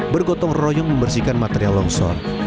bergotong royong membersihkan material longsor